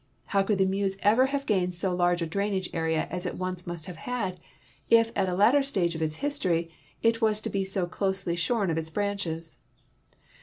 How could the Meuse ever have gainetl so large a drainage area as it once must have had, if at a later stage of its history it was to be so closely sliorn of its branches